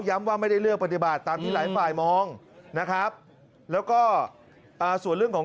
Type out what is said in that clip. ว่าไม่ได้เลือกปฏิบัติตามที่หลายฝ่ายมองนะครับแล้วก็อ่าส่วนเรื่องของ